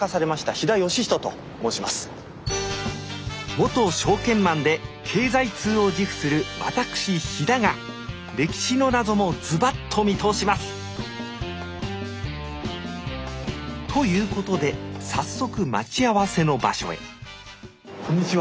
元証券マンで経済通を自負する私比田が歴史の謎もズバっと見通します！ということで早速待ち合わせの場所へこんにちは。